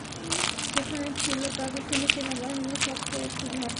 সেখানে ছিল পাকিস্তানি সেনাবাহিনীর শক্ত একটি ঘাঁটি।